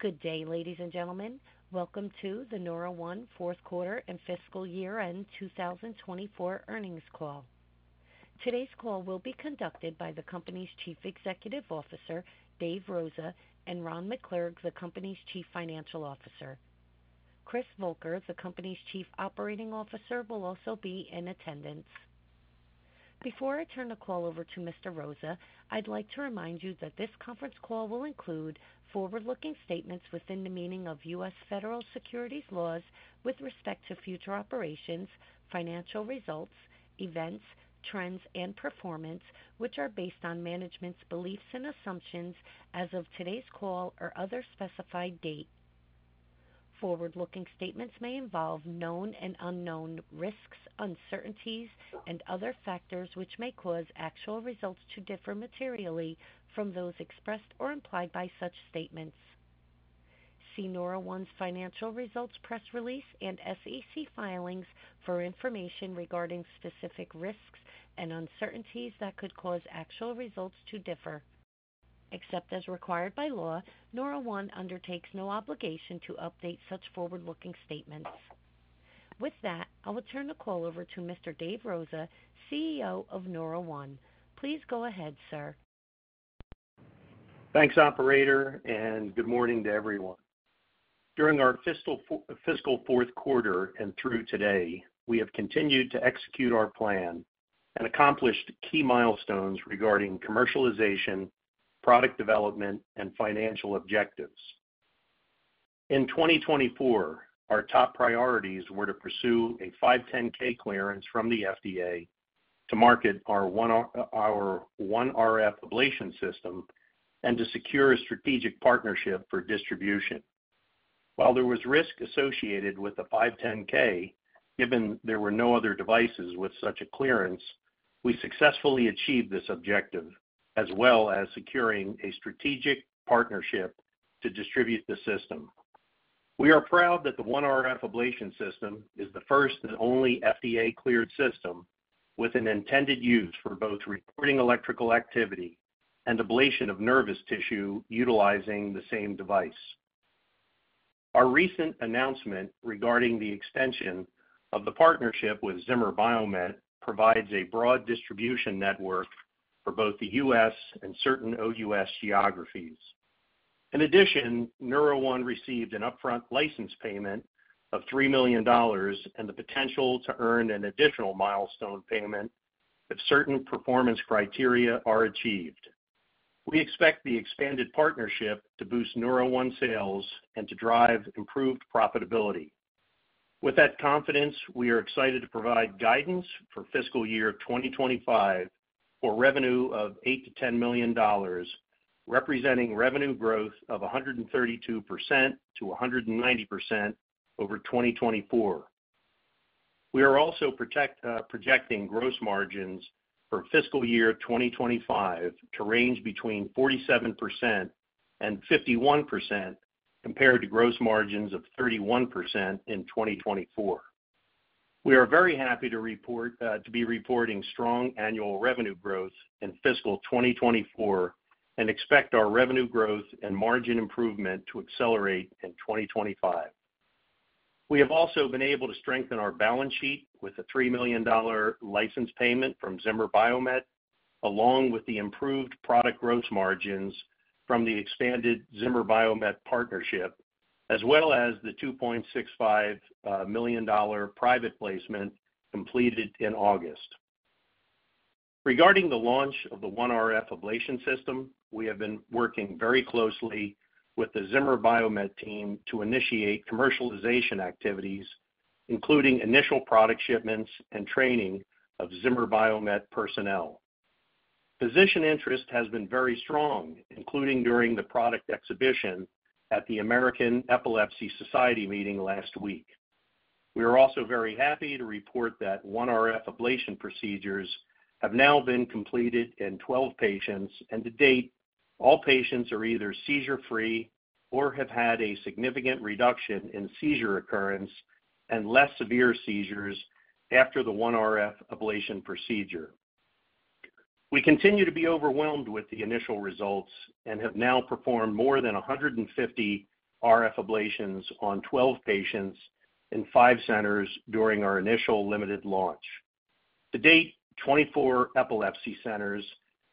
Good day, ladies and gentlemen. Welcome to the NeuroOne fourth quarter and fiscal year end 2024 earnings call. Today's call will be conducted by the company's Chief Executive Officer, Dave Rosa, and Ron McClurg, the company's Chief Financial Officer. Chris Volker, the company's Chief Operating Officer, will also be in attendance. Before I turn the call over to Mr. Rosa, I'd like to remind you that this conference call will include forward-looking statements within the meaning of U.S. federal securities laws with respect to future operations, financial results, events, trends, and performance, which are based on management's beliefs and assumptions as of today's call or other specified date. Forward-looking statements may involve known and unknown risks, uncertainties, and other factors which may cause actual results to differ materially from those expressed or implied by such statements. See NeuroOne's financial results press release and SEC filings for information regarding specific risks and uncertainties that could cause actual results to differ. Except as required by law, NeuroOne undertakes no obligation to update such forward-looking statements. With that, I will turn the call over to Mr. Dave Rosa, CEO of NeuroOne. Please go ahead, sir. Thanks, operator, and good morning to everyone. During our fiscal fourth quarter and through today, we have continued to execute our plan and accomplished key milestones regarding commercialization, product development, and financial objectives. In 2024, our top priorities were to pursue a 510(k) clearance from the FDA to market our OneRF ablation system and to secure a strategic partnership for distribution. While there was risk associated with the 510(k), given there were no other devices with such a clearance, we successfully achieved this objective, as well as securing a strategic partnership to distribute the system. We are proud that the OneRF ablation system is the first and only FDA-cleared system with an intended use for both reporting electrical activity and ablation of nervous tissue utilizing the same device. Our recent announcement regarding the extension of the partnership with Zimmer Biomet provides a broad distribution network for both the U.S. And certain OUS geographies. In addition, NeuroOne received an upfront license payment of $3 million and the potential to earn an additional milestone payment if certain performance criteria are achieved. We expect the expanded partnership to boost NeuroOne sales and to drive improved profitability. With that confidence, we are excited to provide guidance for fiscal year 2025 for revenue of $8 million-$10 million, representing revenue growth of 132%-190% over 2024. We are also projecting gross margins for fiscal year 2025 to range between 47% and 51% compared to gross margins of 31% in 2024. We are very happy to be reporting strong annual revenue growth in fiscal 2024 and expect our revenue growth and margin improvement to accelerate in 2025. We have also been able to strengthen our balance sheet with a $3 million license payment from Zimmer Biomet, along with the improved product gross margins from the expanded Zimmer Biomet partnership, as well as the $2.65 million private placement completed in August. Regarding the launch of the OneRF ablation system, we have been working very closely with the Zimmer Biomet team to initiate commercialization activities, including initial product shipments and training of Zimmer Biomet personnel. Physician interest has been very strong, including during the product exhibition at the American Epilepsy Society meeting last week. We are also very happy to report that OneRF ablation procedures have now been completed in 12 patients, and to date, all patients are either seizure-free or have had a significant reduction in seizure occurrence and less severe seizures after the OneRF ablation procedure. We continue to be overwhelmed with the initial results and have now performed more than 150 RF ablations on 12 patients in five centers during our initial limited launch. To date, 24 epilepsy centers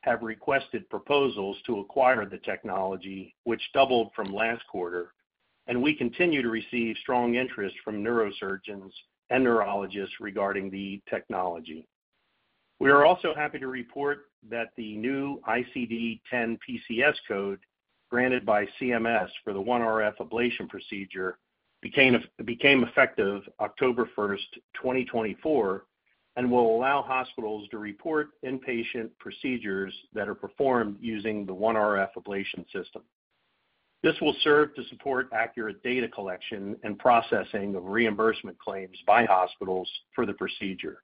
have requested proposals to acquire the technology, which doubled from last quarter, and we continue to receive strong interest from neurosurgeons and neurologists regarding the technology. We are also happy to report that the new ICD-10-PCS code granted by CMS for the OneRF ablation procedure became effective October 1st, 2024, and will allow hospitals to report inpatient procedures that are performed using the OneRF ablation system. This will serve to support accurate data collection and processing of reimbursement claims by hospitals for the procedure.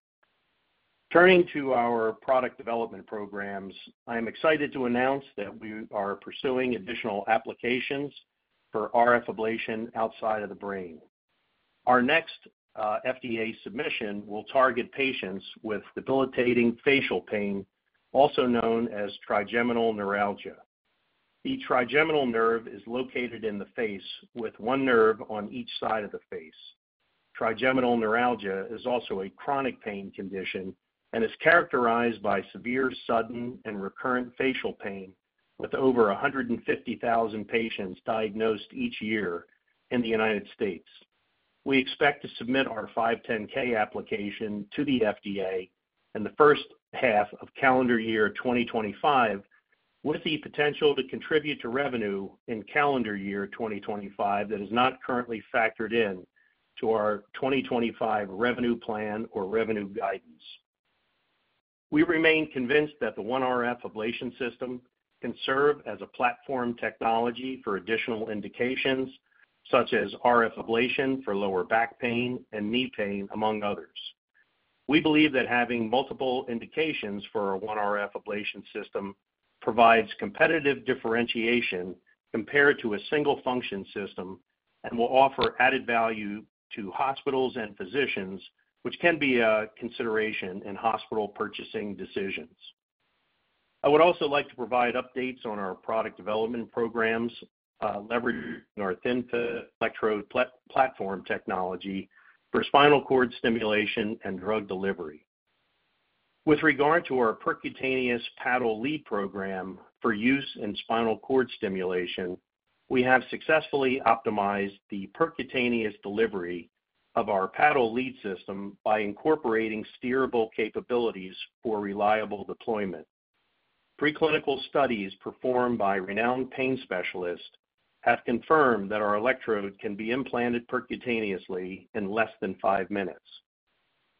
Turning to our product development programs, I am excited to announce that we are pursuing additional applications for RF ablation outside of the brain. Our next FDA submission will target patients with debilitating facial pain, also known as trigeminal neuralgia. The trigeminal nerve is located in the face, with one nerve on each side of the face. Trigeminal neuralgia is also a chronic pain condition and is characterized by severe, sudden, and recurrent facial pain, with over 150,000 patients diagnosed each year in the United States. We expect to submit our 510(k) application to the FDA in the first half of calendar year 2025, with the potential to contribute to revenue in calendar year 2025 that is not currently factored into our 2025 revenue plan or revenue guidance. We remain convinced that the OneRF ablation system can serve as a platform technology for additional indications, such as RF ablation for lower back pain and knee pain, among others. We believe that having multiple indications for a OneRF ablation system provides competitive differentiation compared to a single function system and will offer added value to hospitals and physicians, which can be a consideration in hospital purchasing decisions. I would also like to provide updates on our product development programs, leveraging our thin-film electrode platform technology for spinal cord stimulation and drug delivery. With regard to our percutaneous paddle lead program for use in spinal cord stimulation, we have successfully optimized the percutaneous delivery of our paddle lead system by incorporating steerable capabilities for reliable deployment. Preclinical studies performed by renowned pain specialists have confirmed that our electrode can be implanted percutaneously in less than five minutes.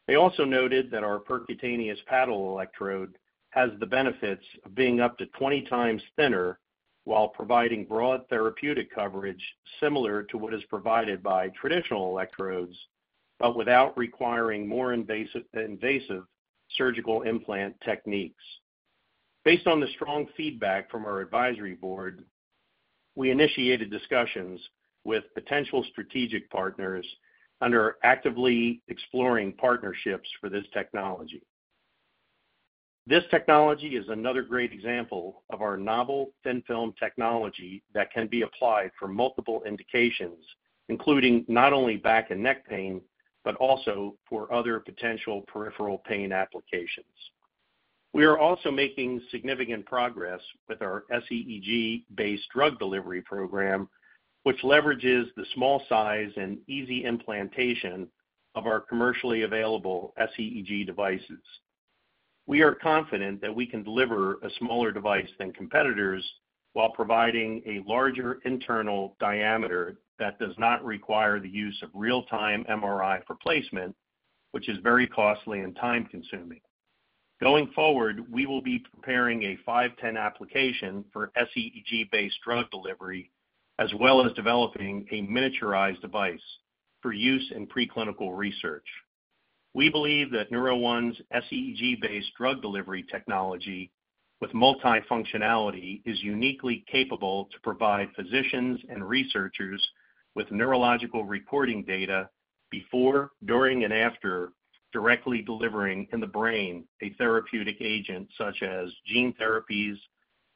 They also noted that our percutaneous paddle electrode has the benefits of being up to 20 times thinner while providing broad therapeutic coverage similar to what is provided by traditional electrodes, but without requiring more invasive surgical implant techniques. Based on the strong feedback from our advisory board, we initiated discussions with potential strategic partners and are actively exploring partnerships for this technology. This technology is another great example of our novel thin-film technology that can be applied for multiple indications, including not only back and neck pain but also for other potential peripheral pain applications. We are also making significant progress with our SEEG-based drug delivery program, which leverages the small size and easy implantation of our commercially available SEEG devices. We are confident that we can deliver a smaller device than competitors while providing a larger internal diameter that does not require the use of real-time MRI for placement, which is very costly and time-consuming. Going forward, we will be preparing a 510(k) application for SEEG-based drug delivery, as well as developing a miniaturized device for use in preclinical research. We believe that NeuroOne's SEEG-based drug delivery technology with multi-functionality is uniquely capable to provide physicians and researchers with neurological reporting data before, during, and after directly delivering in the brain a therapeutic agent such as gene therapies,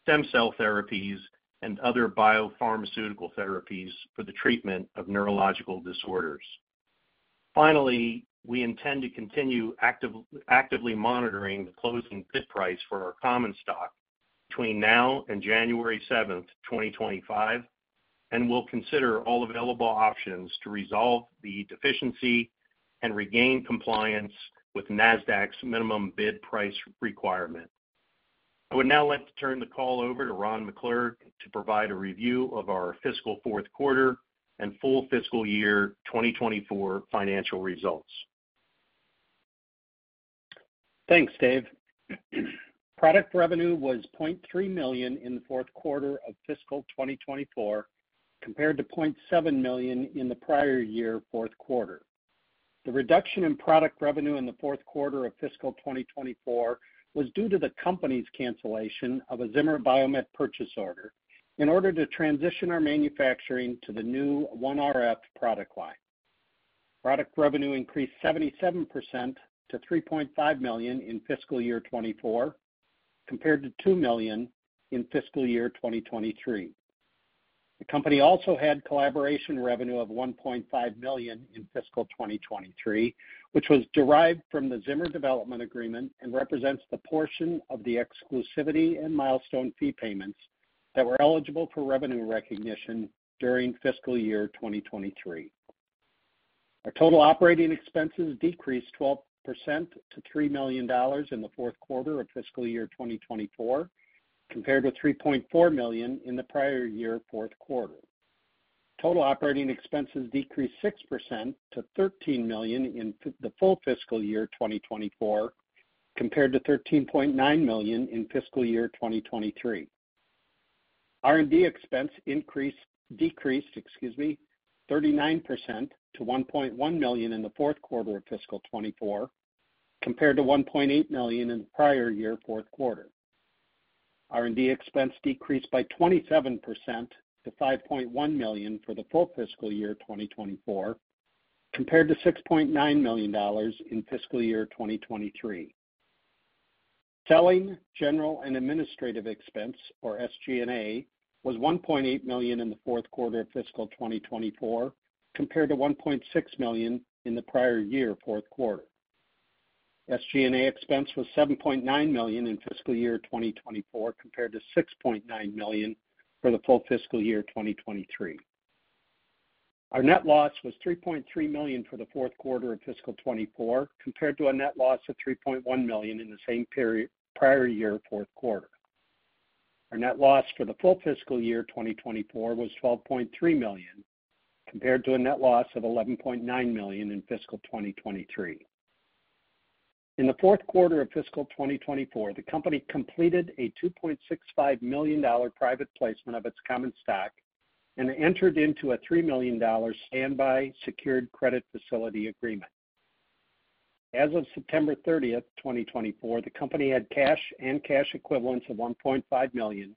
stem cell therapies, and other biopharmaceutical therapies for the treatment of neurological disorders. Finally, we intend to continue actively monitoring the closing bid price for our common stock between now and January 7th, 2025, and will consider all available options to resolve the deficiency and regain compliance with Nasdaq's minimum bid price requirement. I would now like to turn the call over to Ron McClurg to provide a review of our fiscal fourth quarter and full fiscal year 2024 financial results. Thanks, Dave. Product revenue was $0.3 million in the fourth quarter of fiscal 2024 compared to $0.7 million in the prior year fourth. The reduction in product revenue in the fourth quarter of fiscal 2024 was due to the company's cancellation of a Zimmer Biomet purchase order in order to transition our manufacturing to the new OneRF product line. Product revenue increased 77% to $3.5 million in fiscal year 2024 compared to $2 million in fiscal year 2023. The company also had collaboration revenue of $1.5 million in fiscal 2023, which was derived from the Zimmer development agreement and represents the portion of the exclusivity and milestone fee payments that were eligible for revenue recognition during fiscal year 2023. Our total operating expenses decreased 12% to $3 million in the fourth quarter of fiscal year 2024 compared with $3.4 million in the prior year fourth quarter. Total operating expenses decreased 6% to $13 million in the full fiscal year 2024 compared to $13.9 million in fiscal year 2023. R&D expense decreased 39% to $1.1 million in the fourth quarter of fiscal 2024 compared to $1.8 million in the prior year fourth quarter. R&D expense decreased by 27% to $5.1 million for the full fiscal year 2024 compared to $6.9 million in fiscal year 2023. Selling general and administrative expense, or SG&A, was $1.8 million in the fourth quarter of fiscal 2024 compared to $1.6 million in the prior year fourth quarter. SG&A expense was $7.9 million in fiscal year 2024 compared to $6.9 million for the full fiscal year 2023. Our net loss was $3.3 million for the fourth quarter of fiscal 2024 compared to a net loss of $3.1 million in the same prior year fourth quarter. Our net loss for the full fiscal year 2024 was $12.3 million compared to a net loss of $11.9 million in fiscal 2023. In the fourth quarter of fiscal 2024, the company completed a $2.65 million private placement of its common stock and entered into a $3 million standby secured credit facility agreement. As of September 30th, 2024, the company had cash and cash equivalents of $1.5 million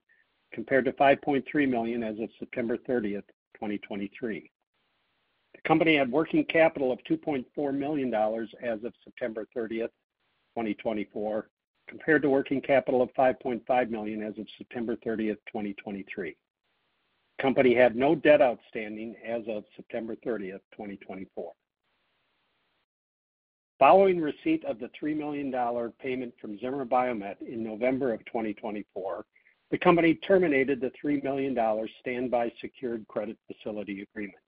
compared to $5.3 million as of September 30th, 2023. The company had working capital of $2.4 million as of September 30th, 2024, compared to working capital of $5.5 million as of September 30th, 2023. The company had no debt outstanding as of September 30th, 2024. Following receipt of the $3 million payment from Zimmer Biomet in November of 2024, the company terminated the $3 million standby secured credit facility agreement.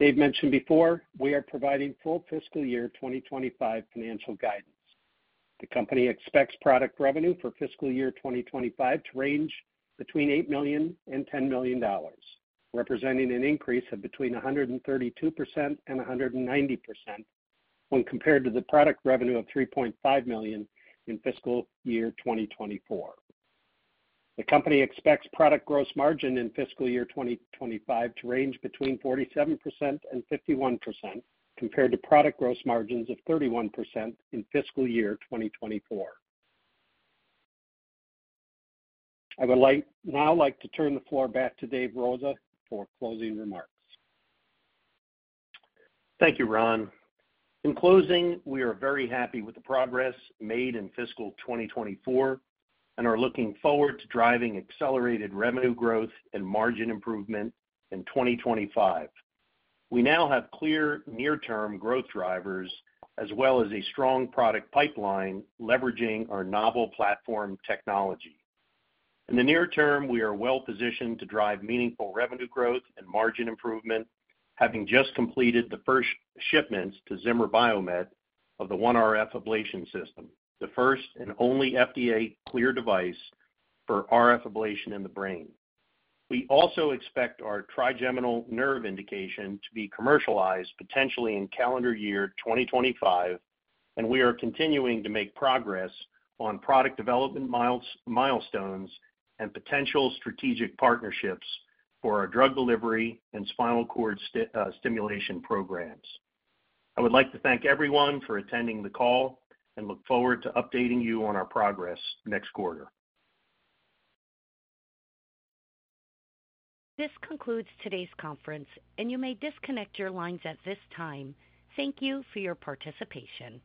Dave mentioned before. We are providing full fiscal year 2025 financial guidance. The company expects product revenue for fiscal year 2025 to range between $8 million and $10 million, representing an increase of between 132% and 190% when compared to the product revenue of $3.5 million in fiscal year 2024. The company expects product gross margin in fiscal year 2025 to range between 47% and 51% compared to product gross margins of 31% in fiscal year 2024. I would now like to turn the floor back to Dave Rosa for closing remarks. Thank you, Ron. In closing, we are very happy with the progress made in fiscal 2024 and are looking forward to driving accelerated revenue growth and margin improvement in 2025. We now have clear near-term growth drivers, as well as a strong product pipeline leveraging our novel platform technology. In the near term, we are well-positioned to drive meaningful revenue growth and margin improvement, having just completed the first shipments to Zimmer Biomet of the OneRF ablation system, the first and only FDA-cleared device for RF ablation in the brain. We also expect our trigeminal nerve indication to be commercialized potentially in calendar year 2025, and we are continuing to make progress on product development milestones and potential strategic partnerships for our drug delivery and spinal cord stimulation programs. I would like to thank everyone for attending the call and look forward to updating you on our progress next quarter. This concludes today's conference, and you may disconnect your lines at this time. Thank you for your participation.